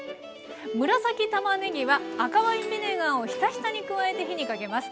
紫たまねぎは赤ワインビネガーをヒタヒタに加えて火にかけます。